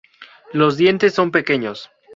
Los dientes son pequeños.